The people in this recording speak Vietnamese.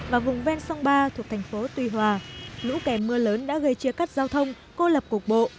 và vùng ven sông ba thuộc thành phố tuy hòa lũ kèm mưa lớn đã gây chia cắt giao thông cô lập cục bộ